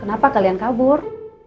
kenapa kalian kabur